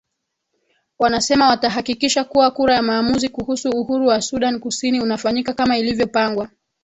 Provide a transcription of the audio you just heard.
wanasema watahakikisha kuwa kura ya maamuzi kuhusu uhuru wa sudan kusini unafanyika kama ilivyopangwa